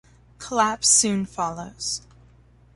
Collapse soon follows.